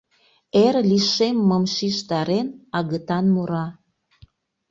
Эр лишеммым шижтарен, агытан мура.